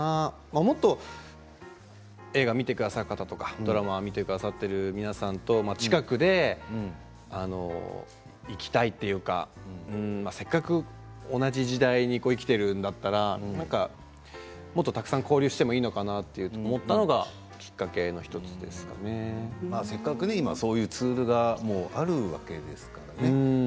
もっと映画を見てくださる方ドラマを見てくださってる皆さんと近くでいきたいというかせっかく同じ時代に生きているんだからもっとたくさん交流してもいいのかなと思ったのがせっかく今そういうツールがあるわけですからね。